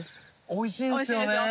おいしいですよ。